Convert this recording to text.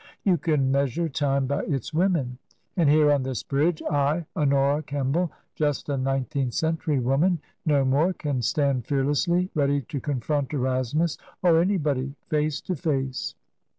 You can measure time by its women. And here on this bridge, I, Honora Kemball, just a nineteenth century woman — no more — can stand fearlessly, ready to confront Erasmus, or anybody, face to face."